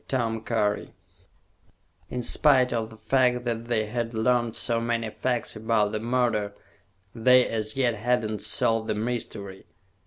In spite of the fact that they had learned so many facts about the murder, they as yet had not solved the mystery.